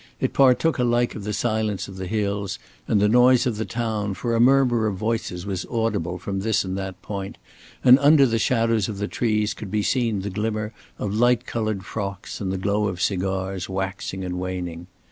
It partook alike of the silence of the hills and the noise of the town, for a murmur of voices was audible from this and that point, and under the shadows of the trees could be seen the glimmer of light colored frocks and the glow of cigars waxing and waning.